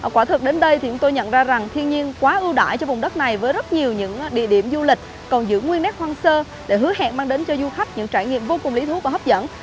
quả thực đến đây thì chúng tôi nhận ra rằng thiên nhiên quá ưu đại cho vùng đất này với rất nhiều những địa điểm du lịch còn giữ nguyên nét hoang sơ để hứa hẹn mang đến cho du khách những trải nghiệm vô cùng lý thú và hấp dẫn